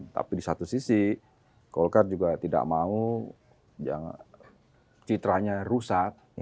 tapi di satu sisi golkar juga tidak mau yang citranya rusak